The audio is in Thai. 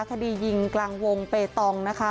คดียิงกลางวงเปตองนะคะ